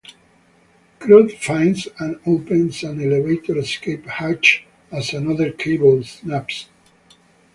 Cruz finds and opens an elevator escape hatch as another cable snaps.